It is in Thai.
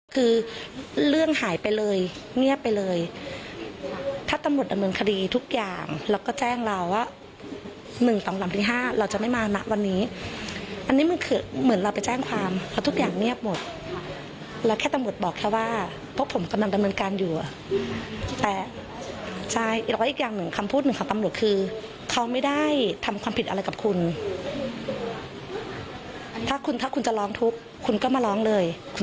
คือเรื่องหายไปเลยเงียบไปเลยถ้าตำรวจดำเนินคดีทุกอย่างแล้วก็แจ้งเราว่า๑๒๓ตี๕เราจะไม่มาณวันนี้อันนี้มันคือเหมือนเราไปแจ้งความเพราะทุกอย่างเงียบหมดแล้วแค่ตำรวจบอกแค่ว่าพวกผมกำลังดำเนินการอยู่อ่ะแต่ใช่แล้วก็อีกอย่างหนึ่งคำพูดหนึ่งของตำรวจคือเขาไม่ได้ทำความผิดอะไรกับคุณถ้าคุณถ้าคุณจะร้องทุกข์คุณก็มาร้องเลย